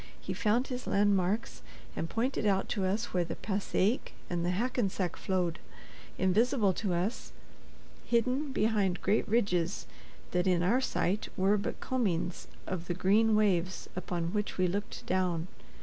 He found his landmarks, and pointed out to us where the Passaic and the Hackensack flowed, invisible to us, hidden behind great ridges that in our sight were but combings of the green waves upon which we looked down.